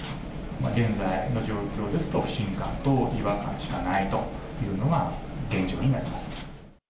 現在の状況ですと、不信感と違和感しかないというのが現状になります。